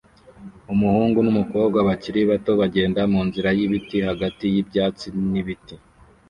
Umuhungu n'umukobwa bakiri bato bagenda munzira y'ibiti hagati y'ibyatsi n'ibiti